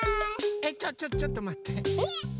えっちょっちょっとまって。